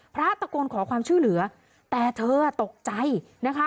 พระตะโกนขอความช่วยเหลือแต่เธอตกใจนะคะ